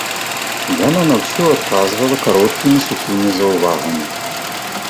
Яна на ўсё адказвала кароткімі сухімі заўвагамі.